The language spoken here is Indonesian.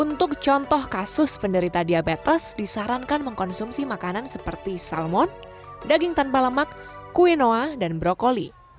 untuk contoh kasus penderita diabetes disarankan mengkonsumsi makanan seperti salmon daging tanpa lemak quinoa dan brokoli